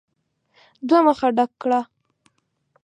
دوه مخه ډک کړه !